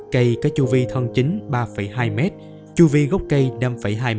cây có chu vi thân chính ba hai m chu vi gốc cây năm hai m